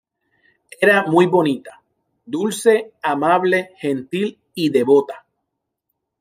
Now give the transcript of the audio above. Era muy bonita, dulce, amable, gentil y devota".